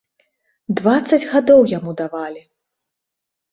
Дваццаць гадоў яму давалі!